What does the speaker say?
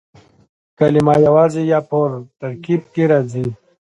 کلیمه یوازي یا په ترکیب کښي راځي.